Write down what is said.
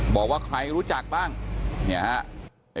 บอกว่าใครรู้จักบ้างเนี่ยครับ